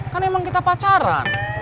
kan emang kita pacaran